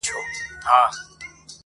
زما کور ته چي راسي زه پر کور يمه~